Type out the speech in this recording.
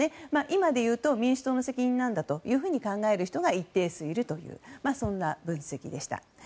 今でいうと民主党の責任なんだと考える人が一定数いるというそんな分析でした。